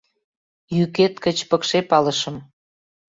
— Йӱкет гыч пыкше палышым.